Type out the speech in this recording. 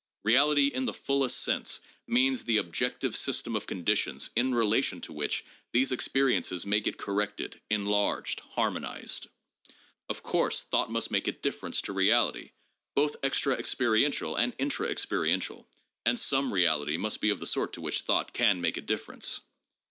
Reality in the fullest sense means the objective system of conditions in relation to which these experiences may get corrected, enlarged, harmonized. Of course, thought must make a difference to reality, both extra experiential and intra experiential, and some reality must be of the sort to which thought can make a difference.